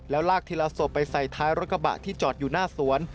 แล้วลากทีละศพไปใส่ท้ายรถกระบะที่จอดอยู่หน้าสวน